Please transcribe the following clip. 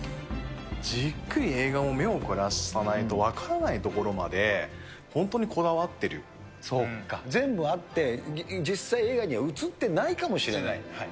じっくり映画も目を凝らさないと分からない所まで、本当にこそうか、全部あって、実際映画には映ってないかもしれない。